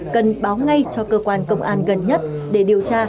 cần báo ngay cho cơ quan công an gần nhất để điều tra